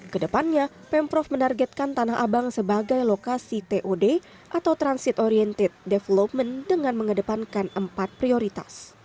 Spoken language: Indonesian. kedepannya pemprov menargetkan tanah abang sebagai lokasi tod atau transit oriented development dengan mengedepankan empat prioritas